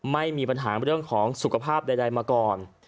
ไม่มีปัญหาเรื่องของสุขภาพใดมาก่อน